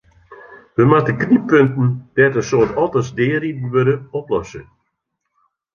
We moatte knyppunten dêr't in soad otters deariden wurde, oplosse.